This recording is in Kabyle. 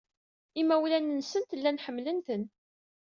Imawlan-nsent llan ḥemmlen-ten.